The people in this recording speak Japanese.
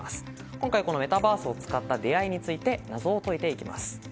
今回、メタバースを使った出会いについて謎を解いていきます。